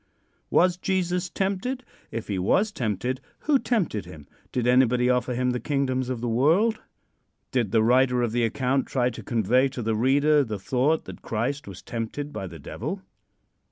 Was Jesus tempted? If he was tempted, who tempted him? Did anybody offer him the kingdoms of the world? Did the writer of the account try to convey to the reader the thought that Christ was tempted by the Devil?